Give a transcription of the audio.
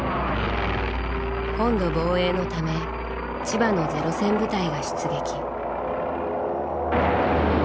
本土防衛のため千葉のゼロ戦部隊が出撃。